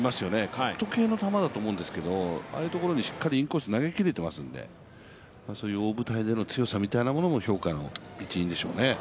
カット系の球だと思うんですけどああいうところにインコース投げきれていますので、そういう大舞台での強さみたいなものも評価の一因でしょうね。